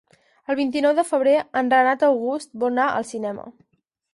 El vint-i-nou de febrer en Renat August vol anar al cinema.